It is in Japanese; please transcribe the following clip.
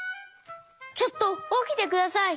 ちょっとおきてください！